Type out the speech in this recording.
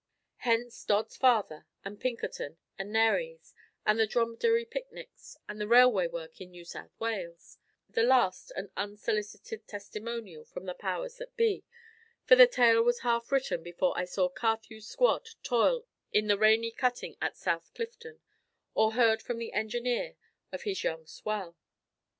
Hence Dodd's father, and Pinkerton, and Nares, and the Dromedary picnics, and the railway work in New South Wales the last an unsolicited testimonial from the powers that be, for the tale was half written before I saw Carthew's squad toil in the rainy cutting at South Clifton, or heard from the engineer of his "young swell."